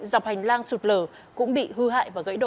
dọc hành lang sụt lở cũng bị hư hại và gãy đổ